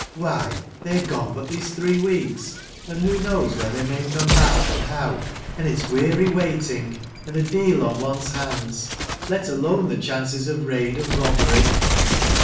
"Why, they are gone but these three weeks, and who knows when they may come back, and how ? And it's weary waiting, and a deal on one's hands: let alone the chances of raid and robbery."